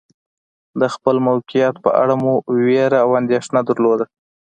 د خپل موقعیت په اړه مو وېره او اندېښنه درلوده.